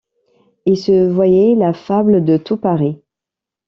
Il se voyait la fable de tout Paris.